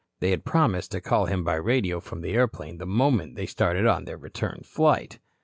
They had promised to call him by radio from the airplane the moment they started on their return flight.